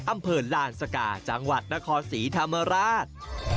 อำเภอลานสกาจังหวัดนครศรีธรรมราช